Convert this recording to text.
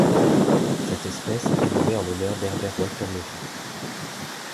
Cette espèce est nommée en l'honneur d'Herbert Walter Levi.